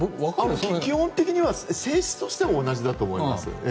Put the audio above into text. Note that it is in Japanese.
基本的には性質としては同じだと思います。